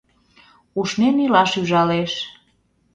Ушнен илаш ӱжалеш.